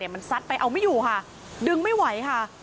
มันซัดไปเอาไม่อยู่ค่ะดึงไม่ไหวค่ะ